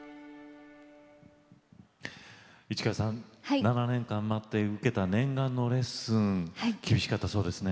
市川さん７年間待って受けた念願のレッスン厳しかったそうですね。